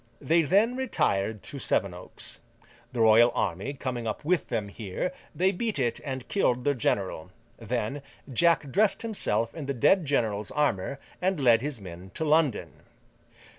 They then retired to Sevenoaks. The royal army coming up with them here, they beat it and killed their general. Then, Jack dressed himself in the dead general's armour, and led his men to London.